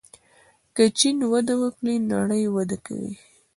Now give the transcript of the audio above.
که چین وده وکړي نړۍ وده کوي.